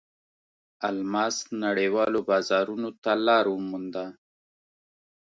الماس نړیوالو بازارونو ته لار ومونده.